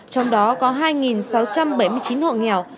trong đó có hai sáu trăm bảy mươi chín hộ nghèo